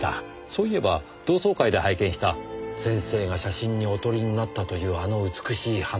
そういえば同窓会で拝見した先生が写真にお撮りになったというあの美しい花。